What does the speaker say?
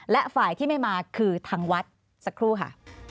และฝ่ายที่ไม่มาคือทางวัดสักครู่ค่ะ